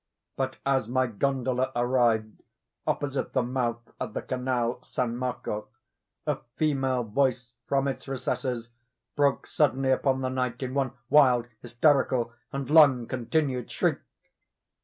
But as my gondola arrived opposite the mouth of the canal San Marco, a female voice from its recesses broke suddenly upon the night, in one wild, hysterical, and long continued shriek.